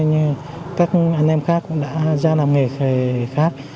như các anh em khác cũng đã ra làm nghề khác